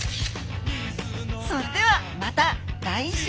それではまた来週！